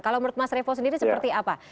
kalau menurut mas revo sendiri seperti apa